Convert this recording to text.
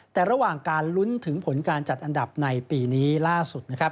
แต่ระหว่างการลุ้นถึงผลการจัดอันดับในปีนี้ล่าสุดนะครับ